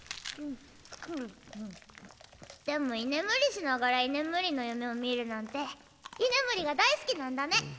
でも居眠りしながら居眠りの夢を見るなんて居眠りが大好きなんだね。